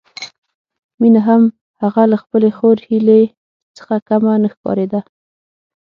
مينه هم هغه له خپلې خور هيلې څخه کمه نه ښکارېده